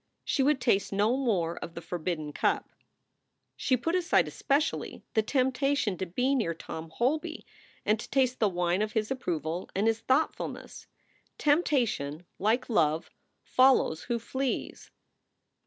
She would taste no more of the forbidden cup. She put aside especially the temptation to be near Tom Holby and to taste the wine of his approval and his thought fulness. Temptation, like love, follows who flees.